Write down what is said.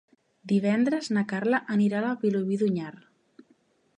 Divendres na Carla anirà a Vilobí d'Onyar.